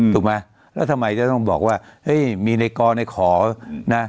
ถูกไหมแล้วทำไมจะต้องบอกว่ามีในกรในขอนะ